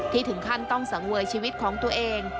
ถึงขั้นต้องสังเวยชีวิตของตัวเอง